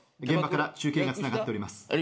現場から中継がつながっております。